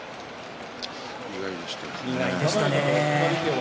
意外でした。